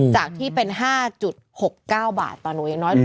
จากที่เป็น๕๖๙บาทต่อหนูยังน้อย